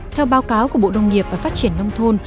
theo báo cáo của bộ nông nghiệp và phát triển nông thôn